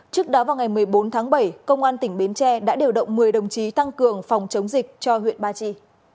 trước đó vào ngày một mươi bốn tháng bảy công an tỉnh bến tre đã điều động một mươi đồng chí tăng cường phòng chống dịch cho huyện ba chi